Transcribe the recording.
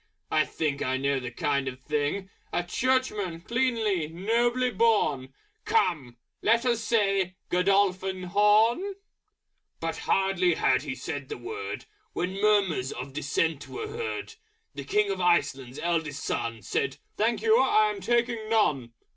... I think I know the kind of thing, A Churchman, cleanly, nobly born, Come let us say Godolphin Horne?" But hardly had he said the word When Murmurs of Dissent were heard. The King of Iceland's Eldest Son Said, "Thank you! I am taking none!"